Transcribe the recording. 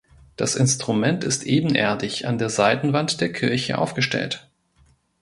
Das Instrument ist ebenerdig an der Seitenwand der Kirche aufgestellt.